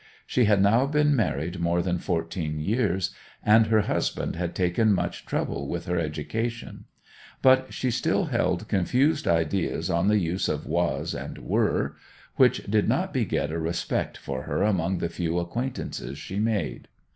She had now been married more than fourteen years, and her husband had taken much trouble with her education; but she still held confused ideas on the use of 'was' and 'were,' which did not beget a respect for her among the few acquaintances she made.